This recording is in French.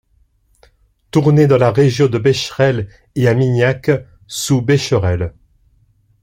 Tourné dans la région de Bécherel et à Miniac sous Bécherel.